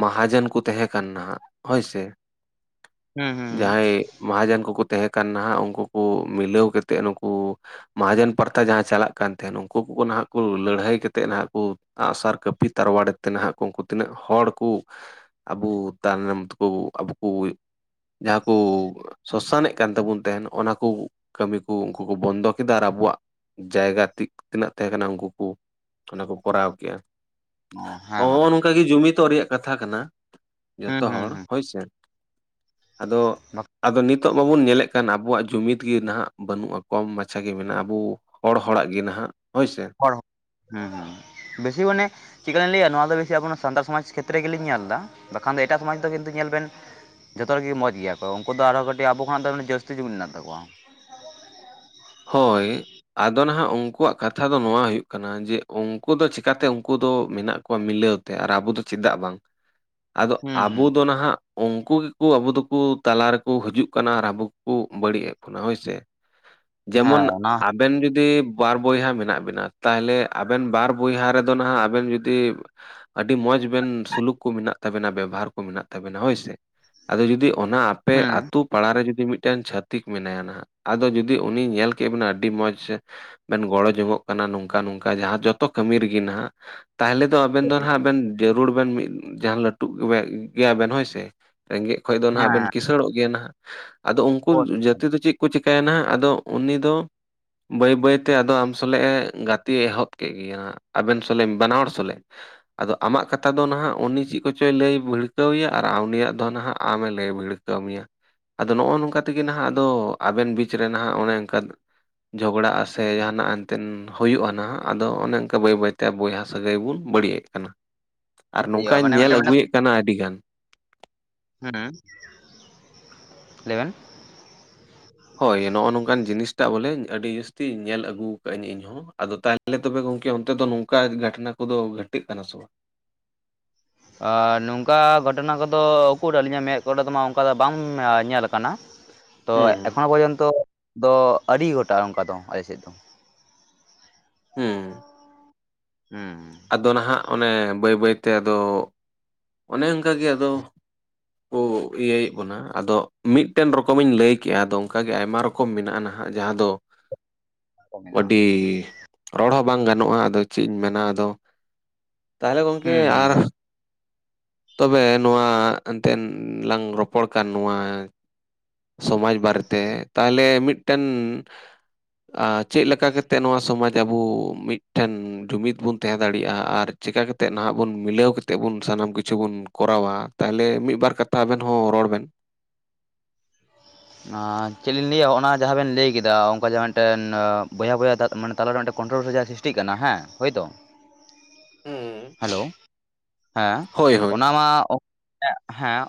Speaker 2: ᱢᱟᱦᱟᱡᱚᱱ ᱠᱚ ᱛᱟᱦᱮᱸ ᱠᱟᱱᱟ ᱱᱟᱜ ᱦᱳᱭᱥᱮ
Speaker 1: ᱦᱩᱸ ᱦᱩᱸ ᱦᱩᱸ
Speaker 2: ᱡᱟᱦᱟᱸᱭ ᱢᱟᱦᱟᱡᱚᱱ ᱠᱚᱠᱚ ᱛᱮᱦᱮᱸ ᱠᱟᱱ ᱱᱟᱜ ᱩᱱᱠᱩ ᱠᱚ ᱢᱤᱞᱟᱹᱣ ᱠᱟᱛᱮᱫ ᱱᱩᱠᱩ ᱢᱟᱦᱟᱡᱚᱱ ᱯᱟᱨᱛᱷᱟ ᱡᱟᱦᱟᱸ ᱪᱟᱞᱟᱜ ᱠᱟᱱ ᱛᱟᱦᱮᱱ ᱩᱱᱠᱩ ᱠᱚᱠᱚ ᱱᱟᱜ ᱠᱚ ᱞᱟᱹᱲᱦᱟᱹᱭ ᱠᱟᱛᱮᱫ ᱱᱟᱦᱟᱜ ᱠᱚ ᱟᱸᱜ ᱥᱟᱨ ᱠᱟᱹᱯᱤ ᱛᱟᱨᱣᱟᱲᱮ ᱛᱮ ᱱᱟᱦᱟᱜ ᱠᱚ ᱩᱱᱠᱩ ᱛᱤᱱᱟᱹᱜ ᱦᱚᱲ ᱠᱩ ᱟᱵᱚ ᱛᱟᱭᱱᱚᱢ ᱛᱮᱠᱚ ᱟᱵᱚ ᱠᱩᱡ ᱡᱟᱦᱟᱸ ᱠᱚ ᱥᱚᱥᱟᱱᱮᱫ ᱠᱟᱱ ᱛᱟᱵᱚᱱ ᱛᱟᱦᱮᱱ ᱚᱱᱟ ᱠᱩ ᱠᱟᱹᱢᱤ ᱠᱩ ᱩᱱᱠᱩ ᱠᱚ ᱵᱚᱱᱫᱚ ᱠᱮᱫᱟ ᱟᱨ ᱟᱵᱚᱣᱟᱜ ᱡᱟᱭᱜᱟ ᱛᱤᱱᱟᱹᱜ ᱛᱟᱦᱮᱸ ᱠᱟᱱᱟ ᱩᱱᱠᱩ ᱠᱚ ᱚᱱᱟ ᱠᱚ ᱠᱚᱨᱟᱣ ᱠᱮᱜᱼᱟ
Speaker 1: ᱚ ᱦᱮᱸ ᱢᱟ
Speaker 2: ᱦᱚᱸᱜᱼᱚ ᱱᱚᱝᱠᱟᱜᱮ ᱡᱩᱢᱤᱫᱚᱜ ᱨᱮᱭᱟᱜ ᱠᱟᱛᱷᱟ ᱠᱟᱱᱟ
Speaker 1: ᱦᱩᱸ
Speaker 2: ᱡᱚᱛᱚ
Speaker 1: ᱦᱩᱸ
Speaker 2: ᱦᱚᱲ
Speaker 1: ᱦᱩᱸ
Speaker 2: ᱦᱳᱭᱥᱮ ᱟᱫᱚ ᱟᱫᱚ ᱱᱤᱛᱚᱜ ᱵᱟᱵᱚᱱ ᱧᱮᱞᱮᱫ ᱠᱷᱟᱱ ᱟᱵᱚᱣᱟᱜ ᱡᱩᱢᱤᱫ ᱜᱮ ᱱᱟᱦᱟᱜ ᱵᱟᱹᱱᱩᱜᱼᱟ ᱠᱚᱢ ᱢᱟᱪᱷᱟ ᱜᱮ ᱢᱮᱱᱟᱜᱼᱟ ᱟᱵᱩ ᱦᱚᱲ ᱦᱚᱲᱟᱜ ᱜᱮ ᱱᱟᱦᱟᱜ ᱦᱳᱭ ᱥᱮ
Speaker 1: [unintelligible] ᱦᱩᱸ ᱵᱮᱥᱤ ᱢᱟᱱᱮ ᱪᱤᱫᱞᱮᱠᱟᱞᱤᱧ ᱞᱟᱹᱭᱟ ᱱᱚᱣᱟ ᱫᱚ ᱵᱮᱥᱤ ᱟᱵᱚ ᱱᱚᱶᱟ ᱥᱟᱱᱛᱟᱲ ᱥᱚᱢᱟᱡᱽ ᱠᱷᱮᱛᱨᱮ ᱜᱮᱞᱤᱧ ᱧᱮᱞᱫᱟ ᱵᱟᱠᱷᱟᱱ ᱫᱚ ᱮᱴᱟᱜ ᱥᱚᱢᱟᱡᱽ ᱫᱚ ᱠᱤᱱᱛᱩ ᱧᱮᱞ ᱵᱮᱱ ᱡᱚᱛᱚ ᱨᱮᱜᱮ ᱢᱚᱡᱽ ᱜᱮᱭᱟᱠᱚ ᱩᱝᱠᱩ ᱫᱚ ᱟᱨᱚᱸ ᱠᱟᱹᱴᱤᱡ ᱟᱵᱚ ᱠᱷᱚ ᱫᱚ ᱡᱟᱹᱥᱛᱤ ᱡᱩᱢᱤᱫ ᱢᱮᱱᱟᱜ ᱛᱟᱠᱚᱣᱟ
Speaker 2: ᱦᱳᱭ ᱟᱫᱚ ᱱᱟᱦᱟᱜ ᱩᱝᱠᱩᱣᱟᱜ ᱠᱟᱛᱷᱟ ᱫᱚ ᱱᱚᱣᱟ ᱦᱩᱭᱩᱜ ᱠᱟᱱᱟ ᱡᱮ ᱩᱝᱠᱩ ᱫᱚ ᱪᱤᱠᱟᱛᱮ ᱩᱝᱠᱩ ᱫᱚ ᱢᱮᱱᱟᱜ ᱠᱚᱣᱟ ᱢᱤᱞᱟᱹᱣ ᱛᱮ ᱟᱨ ᱟᱵᱚ ᱫᱚ ᱪᱮᱫᱟᱜ ᱵᱟᱝ
Speaker 1: [inaudible]
Speaker 2: ᱟᱫᱚ
Speaker 1: ᱦᱩᱸ
Speaker 2: ᱟᱵᱚ ᱫᱚ ᱱᱟᱦᱟᱜ ᱩᱱᱠᱩ ᱜᱮᱠᱚ ᱟᱵᱚ ᱫᱚᱠᱚ ᱛᱟᱞᱟ ᱨᱮᱠᱚ ᱦᱟᱡᱩᱜ ᱠᱟᱱᱟ ᱟᱨ ᱟᱵᱚ ᱜᱮᱠᱚ ᱵᱟᱹᱲᱤᱡ ᱮᱫ ᱵᱚᱱᱟ ᱦᱚᱭ ᱥᱮ
Speaker 1: ᱦᱮᱸ
Speaker 2: ᱡᱮᱢᱚᱱ ᱟᱛ
Speaker 1: ᱚᱱᱟ
Speaker 2: ᱟᱵᱮᱱ ᱡᱩᱫᱤ ᱵᱟᱨ ᱵᱚᱭᱦᱟ ᱢᱮᱱᱟᱜ ᱵᱤᱱᱟ ᱛᱟᱦᱞᱮ ᱟᱵᱮᱱ ᱵᱟᱨ ᱵᱚᱭᱦᱟ ᱨᱮᱫᱚ ᱱᱟᱦᱟᱜ ᱟᱵᱮᱱ ᱡᱩᱫᱤ ᱟᱹᱰᱤ ᱢᱚᱸᱡᱽ ᱵᱤᱱ ᱥᱩᱞᱩᱠ ᱠᱚ ᱢᱮᱱᱟᱜ ᱛᱟᱵᱤᱱᱟ ᱵᱮᱵᱚᱦᱟᱨ ᱠᱚ ᱢᱮᱱᱟᱜ ᱛᱟᱵᱤᱱᱟ ᱦᱚᱭᱥᱮ ᱟᱫᱚ ᱡᱩᱫᱤ ᱚᱱᱟ ᱟᱯᱮ
Speaker 1: ᱦᱩᱸ
Speaker 2: ᱟᱛᱩ ᱯᱟᱲᱟ ᱨᱮ ᱡᱩᱫᱤ ᱢᱤᱫᱴᱮᱱ ᱪᱷᱟᱹᱛᱤᱠ ᱢᱮᱱᱟᱭᱟ ᱱᱟᱦᱟᱜ ᱟᱫᱚ ᱡᱩᱫᱤ ᱡᱩᱫᱤ ᱩᱱᱤ ᱧᱮᱞ ᱠᱮᱫ ᱵᱮᱱᱟ ᱟᱹᱰᱤ ᱢᱚᱸᱡᱽ ᱵᱮᱱ ᱜᱚᱲᱚ ᱡᱚᱝᱚᱜ ᱠᱟᱱᱟ ᱱᱚᱝᱠᱟ ᱱᱚᱝᱠᱟ ᱡᱟᱦᱟᱸ ᱡᱚᱛᱚ ᱠᱟᱹᱢᱤ ᱨᱮᱜᱮ ᱱᱟᱦᱟᱜ ᱛᱟᱦᱞᱮ ᱫᱚ ᱟᱵᱮᱱ ᱫᱚ ᱦᱟᱸᱜ ᱵᱮᱱ ᱡᱟᱹᱨᱩᱲ ᱵᱮᱱ ᱢᱤᱫ ᱡᱟᱦᱟᱸ ᱞᱟᱹᱴᱩᱜ [unintelligible] ᱜᱮᱭᱟᱵᱮᱱ ᱦᱚᱳᱭ ᱥᱮ ᱨᱮᱸᱜᱮᱡ ᱦᱳᱭ ᱫᱚ ᱱᱟᱦᱟᱜ ᱵᱮᱱ
Speaker 1: ᱦᱮᱸ
Speaker 2: ᱠᱤᱥᱟᱹᱬᱚᱜ ᱜᱮᱭᱟ ᱱᱟᱦᱟᱜ ᱟᱫᱚ ᱩᱱᱠᱩ
Speaker 1: ᱠᱚ
Speaker 2: ᱡᱟᱹᱛᱤ ᱫᱚ ᱪᱮᱫ ᱠᱚ ᱪᱮᱤᱠᱟᱹᱭᱟ ᱱᱟᱦᱟᱜ ᱟᱫᱚ ᱩᱱᱤ ᱫᱚ ᱵᱟᱹᱭ ᱵᱟᱹᱭᱛᱮ ᱟᱫᱚ ᱟᱢ ᱥᱚᱞᱮ ᱮ ᱜᱟᱛᱮ ᱮᱦᱚᱵ ᱠᱮᱜ ᱜᱮ ᱟᱵᱮᱱ ᱥᱚᱞᱮᱜ ᱵᱟᱱᱟ ᱦᱚᱲ ᱥᱚᱞᱮᱜ ᱟᱫᱚ ᱟᱢᱟᱜ ᱠᱟᱛᱷᱟ ᱫᱚ ᱱᱟᱦᱟᱜ ᱩᱱᱤ ᱪᱮᱫ ᱠᱚᱪᱚᱭ ᱞᱟᱹᱭ ᱵᱟᱹᱲᱠᱟᱹᱣᱮᱭᱟ ᱟᱨ ᱩᱱᱤᱭᱟᱜ ᱫᱚ ᱱᱟᱦᱟᱜ ᱟᱢᱮ ᱞᱟᱹᱭ ᱵᱷᱤᱲ ᱠᱟᱹᱢᱤᱭᱟ ᱟᱫᱚ ᱱᱚᱜᱼᱚ ᱱᱚᱝᱠᱟ ᱛᱮᱜᱮ ᱱᱟᱦᱟᱜ ᱟᱫᱚ ᱟᱵᱮᱱ ᱵᱤᱪ ᱨᱮ ᱱᱟᱦᱟᱜ ᱚᱱᱮ ᱚᱱᱠᱟᱱ ᱡᱷᱚᱜᱽᱲᱟᱼᱟ ᱥᱮ ᱡᱟᱦᱟᱱᱟᱜ ᱮᱱᱛᱮᱱ ᱦᱩᱭᱩᱜ-ᱟ ᱱᱟᱜ ᱟᱫᱚ ᱚᱱᱮ ᱚᱱᱠᱟ ᱵᱟᱹᱭ ᱵᱟᱹᱭᱛᱮ ᱵᱚᱭᱦᱟ ᱥᱟᱹᱜᱟᱹᱭ ᱵᱚᱱ ᱵᱟᱹᱲᱤᱡ ᱮᱫ ᱠᱟᱱᱟ᱾
Speaker 1: [unintelligible]
Speaker 2: ᱟᱨ
Speaker 1: ᱦᱩᱭᱩᱜᱼᱟ
Speaker 2: ᱱᱚᱝᱠᱟᱧ
Speaker 1: ᱢᱟᱱᱮ
Speaker 2: ᱧᱮᱞ
Speaker 1: ᱢᱤᱫᱴᱮᱱ ᱢᱟᱱᱮ
Speaker 2: ᱟᱹᱜᱩᱭᱮᱫ ᱠᱟᱱᱟ ᱟᱹᱰᱤ ᱜᱟᱱ
Speaker 1: ᱦᱮᱸ ᱞᱟ. ᱭ ᱵᱮᱱ
Speaker 2: ᱦᱳᱭ ᱱᱚᱜᱼᱚ ᱱᱚᱝᱠᱟᱱ ᱡᱤᱱᱤᱥᱴᱟᱜ ᱵᱚᱞᱮ ᱟᱹᱰᱤ ᱡᱟᱹᱥᱛᱤ ᱧᱮᱞ ᱟᱹᱜᱩ ᱠᱟᱜ ᱟᱹᱧ ᱤᱧ ᱦᱚᱸ ᱟᱫᱚ ᱛᱟᱦᱚᱞᱮ ᱛᱟᱞᱦᱮ ᱛᱚᱵᱮ ᱜᱚᱝᱠᱮ ᱚᱱᱛᱮ ᱫᱚ ᱱᱚᱝᱠᱟ ᱜᱷᱚᱴᱚᱱᱟ ᱠᱚᱫᱚ ᱜᱷᱟᱹᱴᱟᱹᱜ ᱠᱟᱱᱟ ᱥᱮ ᱵᱟᱝ
Speaker 1: ᱟᱻ ᱱᱚᱝᱠᱟ ᱜᱷᱚᱴᱚᱱᱟ ᱠᱚᱫᱚ ᱩᱠᱩᱨ ᱟᱹᱞᱤᱧᱟᱜ ᱢᱮᱫ ᱠᱚᱨᱮ ᱫᱚᱢᱟ ᱚᱱᱠᱟ ᱫᱚ ᱵᱟᱝ ᱧᱮᱞ ᱠᱟᱱᱟ ᱛᱚ
Speaker 2: ᱦᱩᱸ ᱦᱩᱸ
Speaker 1: ᱮᱠᱷᱚᱱᱳ ᱯᱚᱨᱡᱚᱱᱛᱚ ᱫᱚ ᱟᱹᱰᱤ ᱜᱚᱴᱟᱜ ᱚᱱᱠᱟ ᱫᱚ ᱟᱞᱮᱥᱮᱫ ᱫᱚ
Speaker 2: ᱦᱩᱸ
Speaker 1: ᱦᱩᱸ
Speaker 2: ᱟᱫᱚ ᱱᱟᱦᱟᱜ ᱚᱱᱮ ᱵᱟᱹᱭ ᱵᱟᱹᱭᱛᱮ ᱟᱫᱚ ᱚᱱᱮ ᱚᱱᱠᱟ ᱜᱮ ᱟᱫᱚ ᱠᱚ ᱤᱭᱟᱹᱭᱮᱫ ᱵᱚᱱᱟ ᱟᱫᱚ ᱢᱤᱫᱴᱮᱱ ᱨᱚᱠᱚᱢᱤᱧ ᱞᱟᱹᱭ ᱠᱮᱜᱼᱟ ᱟᱫᱚ ᱚᱱᱠᱟ ᱜᱮ ᱟᱭᱢᱟ ᱨᱚ ᱨᱚᱠᱚᱢ ᱢᱮᱱᱟᱜᱼᱟ ᱱᱟᱦᱟᱜ ᱡᱟᱦᱟᱸ ᱫᱚ
Speaker 1: [unintelligible] ᱦᱩᱸ ᱢᱮᱱᱟᱜᱼᱟ
Speaker 2: ᱟᱹᱰᱤ ᱨᱚᱲ ᱦᱚᱸ ᱵᱟᱝ ᱜᱟᱱᱚᱜᱼᱟ ᱟᱫᱚ ᱪᱮᱫ ᱤᱧ ᱢᱮᱱᱟ ᱟᱫᱚ ᱛᱟᱦᱞᱮ ᱜᱚᱝᱠᱮ
Speaker 1: ᱦᱩᱸ ᱦᱩᱸ
Speaker 2: ᱟᱨ ᱛᱚᱵᱮ ᱱᱚᱣᱟ ᱮᱱᱛᱮᱱ ᱞᱟᱝ ᱨᱚᱯᱚᱲ ᱠᱟᱱ ᱱᱚᱣᱟ ᱥᱚᱢᱟᱡᱽ ᱵᱟᱨᱮᱛᱮ ᱛᱟᱦᱚᱞᱮ ᱢᱤᱫᱴᱮᱱ ᱟᱻ‌ ᱪᱮᱫ ᱞᱮᱠᱟ ᱠᱟᱛᱮᱫ ᱱᱚᱣᱟ ᱥᱚᱢᱟᱡᱽ ᱟᱵᱚ ᱢᱤᱫᱴᱷᱮᱱ ᱡᱩᱢᱤᱫ ᱵᱚᱱ ᱛᱟᱦᱮᱸ ᱫᱟᱲᱮᱭᱟᱜᱼᱟ ᱟᱨ ᱪᱮᱠᱟ ᱠᱟᱛᱮᱫ ᱱᱟᱦᱟᱜ ᱵᱚᱱ ᱢᱤᱞᱟᱹᱣ ᱠᱟᱛᱮᱫ ᱵᱚᱱ ᱥᱟᱱᱟᱢ ᱠᱤᱪᱷᱩ ᱵᱚᱱ ᱠᱚᱨᱟᱣᱟ ᱛᱟᱦᱞᱮ ᱢᱤᱫ ᱵᱟᱨ ᱠᱟᱛᱷᱟ ᱟᱵᱮᱱ ᱦᱚᱸ ᱨᱚᱲ ᱵᱮᱱ
Speaker 1: ᱟᱻ ᱪᱮᱫ ᱞᱤᱧ ᱞᱟᱹᱭᱟ ᱚᱱᱟ ᱡᱟᱦᱟᱸ ᱵᱮᱱ ᱞᱟᱹᱭ ᱠᱮᱫᱟ ᱚᱱᱠᱟ ᱡᱟᱦᱟᱸ ᱢᱤᱫᱴᱮᱱ ᱵᱚᱭᱦᱟ ᱵᱚᱭᱦᱟ ᱢᱟᱱᱮ ᱛᱟᱞᱟᱨᱮ ᱢᱤᱫᱴᱮᱱ ᱠᱚᱱᱴᱨᱳᱵᱷᱟᱨᱥᱤ ᱡᱟᱦᱟᱸ ᱥᱤᱥᱴᱤ [unintelligible] [unintelligible] ᱛᱤ ᱠᱟᱱᱟ ᱦᱮᱸ ᱦᱳᱭᱛᱳ
Speaker 2: ᱦᱩᱸ
Speaker 1: ᱦᱮᱞᱳ ᱦᱮᱸ
Speaker 2: ᱦᱳᱭ ᱦᱳᱭ
Speaker 1: ᱚᱱᱟ ᱢᱟ [unintelligible] ᱦᱮᱸ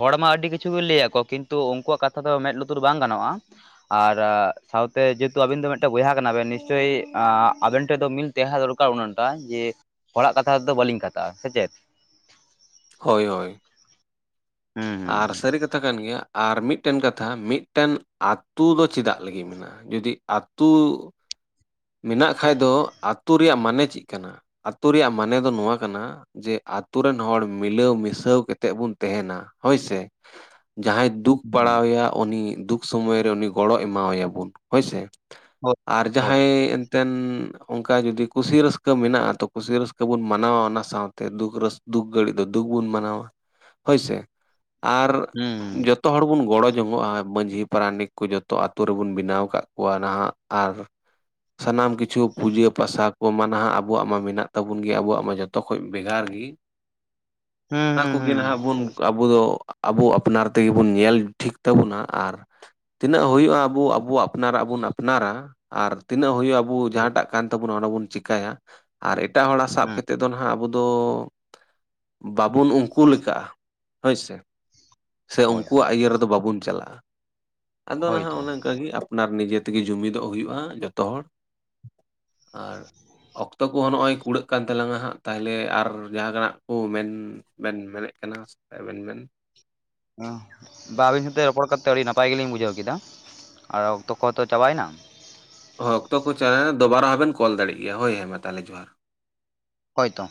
Speaker 1: ᱦᱚᱲᱢᱟ ᱟᱹᱰᱤ ᱠᱤᱪᱷᱩ ᱜᱮ ᱞᱟᱹᱭᱟᱠᱚ ᱠᱤᱱᱛᱩ ᱩᱝᱠᱩᱣᱟᱜ ᱠᱟᱛᱷᱟ ᱫᱚ ᱢᱮᱫ ᱞᱩᱛᱩᱨ ᱵᱟᱝ ᱜᱟᱱᱚᱜᱼᱟ᱾ ᱟᱨ ᱥᱟᱶᱛᱮ ᱡᱮᱦᱮᱛᱩ ᱟᱵᱮᱱ ᱫᱚ ᱢᱤᱫᱴᱮᱱ ᱵᱚᱭᱦᱟ ᱠᱟᱱᱟᱵᱱ ᱱᱤᱥᱪᱳᱚᱭ ᱟ ᱟᱵᱮᱱ ᱴᱷᱮᱱ ᱫᱚ ᱢᱤᱞ ᱡᱦᱟᱟᱸᱸ ᱫᱚᱨᱠᱟᱨ ᱚᱱᱟᱴᱟᱜ ᱡᱮ ᱦᱚᱲᱟᱜ ᱠᱟᱛᱷᱟ ᱛᱮᱫᱚ ᱵᱟᱹᱞᱤᱧ ᱠᱟᱛᱷᱟᱜᱼᱟ ᱥᱮ ᱪᱮᱫ
Speaker 2: ᱦᱳᱭ ᱦᱳᱭ
Speaker 1: ᱦᱩᱸ
Speaker 2: ᱟᱨ ᱥᱟᱹᱨᱤ ᱠᱟᱛᱷᱟ ᱠᱟᱱ ᱜᱮᱭᱟ ᱟᱨ ᱢᱤᱫᱴᱮᱱ ᱠᱟᱛᱷᱟ ᱢᱤᱫᱴᱮᱱ ᱟᱛᱩ ᱫᱚ ᱪᱮᱫᱟᱜ ᱞᱟᱹᱜᱤᱫ ᱢᱮᱱᱟᱜᱼᱟ ᱡᱩᱫᱤ ᱟᱛᱩ [inaudible] ᱢᱮᱱᱟᱜ ᱠᱷᱟᱡ ᱫᱚ ᱟᱛᱳ ᱨᱮᱭᱟᱜ ᱢᱟᱱᱮ ᱪᱮ ᱠᱟᱱᱟ ᱟᱛᱳ ᱨᱮᱭᱟᱜ ᱢᱟᱱᱮ ᱫᱚ ᱱᱚᱣᱟ ᱠᱟᱱᱟ ᱡᱮ ᱟᱛᱳ ᱨᱮᱱ ᱦᱚᱲ ᱢᱤᱞᱟᱹᱣ ᱢᱤᱥᱟᱹᱣ ᱠᱟᱛᱮᱜ ᱵᱚᱱ ᱛᱮᱦᱮᱱᱟ ᱦᱳᱭᱥᱮ ᱡᱟᱦᱟᱸᱭ ᱫᱩᱠ
Speaker 1: ᱦᱩᱸ
Speaker 2: ᱯᱟᱲᱟᱣᱟᱭᱟ ᱩᱱᱤ ᱫᱩᱠ ᱥᱚᱢᱚᱭᱨᱮ ᱩᱱᱤ ᱜᱚᱲᱚ ᱮᱢᱟᱣᱟᱭᱟ ᱵᱚᱱ ᱦᱳᱭᱥᱮ
Speaker 1: ᱦᱩᱸ ᱦᱳᱭ
Speaker 2: ᱟᱨ ᱡᱟᱦᱟᱸ
Speaker 1: ᱦᱳᱭ
Speaker 2: [unintelligible] ᱮᱱᱛᱮᱱ ᱚᱱᱠᱟ ᱡᱩᱫᱤ ᱠᱩᱥᱤ ᱨᱟᱹᱥᱠᱟᱹ ᱢᱮᱱᱟᱜᱼᱟ ᱛᱚ ᱠᱩᱥᱤ ᱨᱟᱹᱥᱠᱟᱹ ᱵᱩᱱ ᱢᱟᱱᱟᱣᱟ ᱚᱱᱟ ᱥᱟᱶᱛᱮ ᱮᱱᱛᱮᱫ ᱫᱩᱠ ᱨᱟᱹᱥ ᱫᱩᱠ ᱜᱷᱟᱹᱲᱤᱡ ᱫᱚ ᱫᱩᱠ ᱵᱚᱱ ᱢᱟᱱᱟᱣᱟ ᱦᱳᱭᱥᱮ ᱟᱨ
Speaker 1: ᱦᱩᱸ
Speaker 2: ᱡᱚᱛ ᱡᱚᱛᱚ ᱦᱚᱲ ᱵᱚᱱ ᱜᱚᱲᱚ ᱡᱚᱝᱚᱜᱼᱟ ᱢᱺᱡᱷᱤ ᱯᱟᱨᱟᱱᱤᱠ ᱠᱚ ᱡᱚᱛᱚ ᱟᱛᱳ ᱨᱮᱵᱚᱱ ᱵᱮᱱᱟᱣ ᱠᱟᱫ ᱠᱚᱣᱟ ᱱᱟᱦᱟᱜ ᱟᱨ ᱥᱟᱱᱟᱢ ᱠᱤᱪᱷᱩ ᱯᱩᱡᱟᱹ ᱯᱟᱥᱟ ᱠᱚ ᱢᱟᱱᱟᱜ ᱟᱵᱚᱣᱟᱜ ᱢᱟ ᱢᱮᱱᱟᱜ ᱛᱟᱵᱚᱱ ᱜᱮᱭᱟ ᱟᱵᱚᱣᱟᱜ ᱢᱟ ᱡᱚᱛᱚ ᱠᱷᱚᱡᱽ ᱵᱷᱮᱜᱟᱨ ᱜᱮ
Speaker 1: [unintelligible]
Speaker 2: ᱚᱱᱟ
Speaker 1: ᱦᱩᱸ
Speaker 2: ᱠᱚᱜᱮ
Speaker 1: ᱦᱩᱸ
Speaker 2: ᱱᱷᱟᱜ ᱵᱚᱱ ᱟᱵᱚ ᱫᱚ ᱟᱵᱚ ᱟᱯᱱᱟᱨ ᱛᱮᱜᱮ ᱵᱚᱱ ᱧᱮᱞ ᱴᱷᱤᱠ ᱛᱟᱵᱚᱱᱟ ᱟᱨ ᱛᱤᱱᱟᱹᱜ ᱦᱩᱭᱩᱜᱼᱟ ᱟᱵᱚ ᱟᱵᱚ ᱟᱯᱱᱟᱨᱟᱜ ᱵᱚᱱ ᱟᱯᱱᱟᱨ ᱟᱨ ᱛᱤᱱᱟᱹᱜ ᱦᱩᱭᱩᱜᱼᱟ ᱟᱵᱚ ᱡᱟᱦᱟᱸᱴᱟᱜ ᱠᱟᱱ ᱛᱟᱵᱚᱱᱟ ᱚᱱᱟ ᱵᱚᱱ ᱪᱮᱤᱠᱟᱹᱭᱟ ᱟᱨ ᱮᱴᱟᱜ ᱦᱚᱲᱟᱜ ᱥᱟᱵ
Speaker 1: ᱦᱩᱸ
Speaker 2: ᱠᱟᱛᱮᱫ ᱫᱚ ᱱᱟᱦᱟᱜ ᱟᱵᱚ ᱫᱚ ᱵᱟᱵᱩᱱ ᱩᱱᱠᱩ ᱞᱮᱠᱟᱜᱼᱟ ᱦᱳᱭᱥᱮ ᱥᱮ
Speaker 1: ᱦᱳᱭ ᱦᱳᱭ
Speaker 2: ᱩᱱᱠᱩᱣᱟᱜ ᱤᱭᱟᱹ ᱨᱮᱫᱚ ᱵᱟᱵᱚᱱ ᱪᱟᱞᱟᱜᱼᱟ ᱟᱫᱚ ᱱᱟᱦᱟᱜ
Speaker 1: ᱦᱳᱭᱛᱚ
Speaker 2: ᱚᱱᱮ ᱚᱱᱠᱟᱜᱮ ᱟᱯᱱᱟᱨ ᱱᱤᱡᱮ ᱛᱮᱜᱮ ᱡᱩᱢᱤᱫᱚᱜ ᱦᱩᱭᱩᱜᱼᱟ ᱡᱚᱛᱚ ᱦᱚᱲ ᱟᱨ ᱚᱠᱛᱚ ᱠᱚᱦᱚᱸ ᱱᱚᱜᱼᱚᱭ ᱠᱩᱲᱟᱹᱜ ᱠᱟᱱ ᱛᱟᱞᱟᱝᱟ ᱦᱟᱸᱜ ᱛᱟᱦᱚᱞᱮ ᱟᱨ ᱡᱟᱦᱟᱸᱱᱟᱜ ᱠᱚ ᱢᱮᱱ ᱵᱮᱱ ᱵᱮᱨᱮᱫ ᱠᱟᱱᱟ ᱥᱮ ᱟᱵᱮᱱ ᱵᱮᱱ
Speaker 1: ᱵᱟ ᱟᱹᱵᱤᱱ ᱥᱟᱶᱛᱮ ᱨᱚᱯᱚᱲ ᱠᱟᱛᱮᱫ ᱟᱹᱰᱤ ᱱᱟᱯᱟᱭ ᱜᱮᱞᱤᱧ ᱵᱩᱡᱷᱟᱹᱣ ᱠᱮᱫᱟ ᱟᱨ ᱚᱠᱛᱚ ᱠᱚᱦᱚᱸ ᱛᱚ ᱪᱟᱵᱟᱭᱮᱱᱟ
Speaker 2: ᱦᱳ ᱚᱠᱛᱚ ᱠᱚ ᱪᱟᱞᱟᱣᱱᱟ ᱫᱚᱵᱟᱨ ᱦᱚᱸ ᱵᱤᱱ ᱵᱤᱱ ᱠᱚᱞ ᱫᱟᱲᱮᱜ ᱜᱮᱭᱟ ᱦᱳᱭ ᱦᱮᱸ ᱢᱟ ᱛᱟᱦᱚᱞᱮ ᱡᱚᱦᱟᱨ
Speaker 1: ᱦᱚᱭ ᱛᱚ